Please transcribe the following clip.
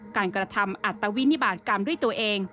กระทำอัตวินิบาตกรรมด้วยตัวเอง